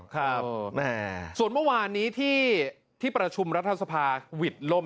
ครับส่วนเมื่อวานนี้ที่ประชุมรัฐสภาหวิดล่ม